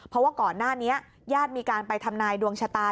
เพราะว่าก่อนหน้านี้ญาติมีการไปทำนายดวงชะตา